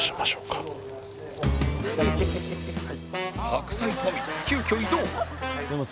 白菜トミ急きょ移動